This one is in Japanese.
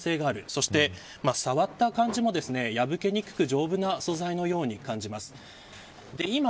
そして触った感じも破けにくく丈夫な素材のように感じます。